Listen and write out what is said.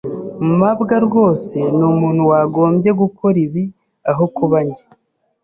mabwa rwose ni umuntu wagombye gukora ibi aho kuba njye.